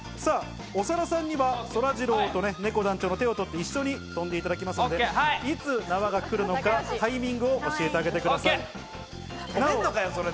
長田さんにはそらジローとねこ団長の手を取って、一緒に跳んでいただきますので、いつ縄が来るのかタイミングを教えてあげてください。